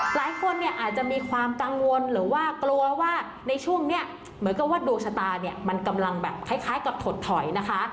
หลายคนเนี่ยอาจจะมีความกังวลหรือว่ากลัวว่าในช่วงนี้เหมือนกับว่าดวงชะตาเนี่ยมันกำลังแบบคล้ายกับถดถอยนะคะ